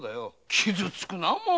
傷つくなァもう。